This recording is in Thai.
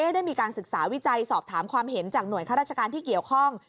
ได้มีการศึกษาวิจัยสอบถามความเห็นจากหน่วยข้าราชการที่เกี่ยวข้อง